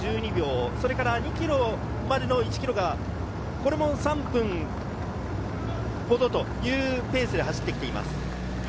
それから２ｋｍまでの１ｋｍがこれも３分ほどというペースで走っています。